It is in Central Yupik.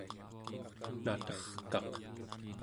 naterkaq